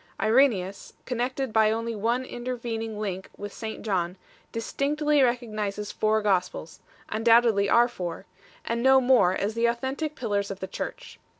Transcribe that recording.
Irenseus, connected by only one intervening link with St John, distinctly recognizes four Gospels 3 undoubtedly our four and no more, as the authentic pillars of the Church.